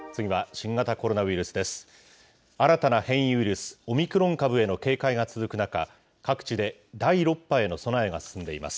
新たな変異ウイルス、オミクロン株への警戒が続く中、各地で第６波への備えが進んでいます。